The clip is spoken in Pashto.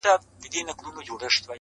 پر دغه روح خو الله اکبر نه دی په کار,